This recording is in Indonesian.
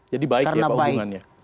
jadi baik ya hubungannya